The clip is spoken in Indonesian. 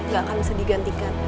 gak akan bisa digantikan